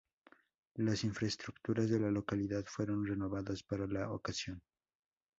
Las infraestructuras de la localidad fueron renovadas para la ocasión.